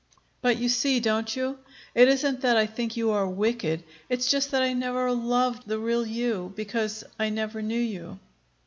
But you see, don't you? It isn't that I think you are wicked. It's just that I never loved the real you, because I never knew you."